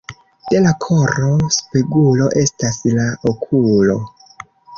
De la koro spegulo estas la okulo.